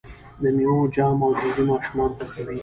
د میوو جام او جیلی ماشومان خوښوي.